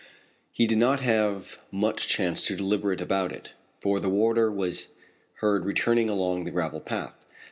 He did not have much chance to deliberate about it, for the warder was heard returning along the gravel path.